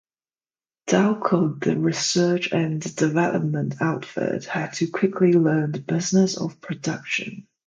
Delco, the research and development outfit, had to quickly learn the business of production.